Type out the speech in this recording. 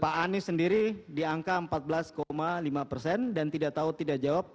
pak anies sendiri diangkat empat belas lima persen dan tidak tahu tidak jawab tujuh delapan persen